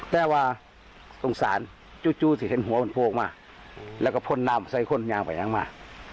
แต่ว่าสงสารจุดเห็นหัวพวกมาแล้วก็พลน้ำใส่คนยางไปทั้งมา